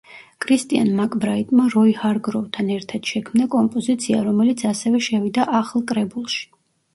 კრისტიან მაკბრაიტმა როი ჰარგროვთან ერთად შემქნა კომპოზიცია, რომელიც ასევე შევიდა ახლ კრებულში.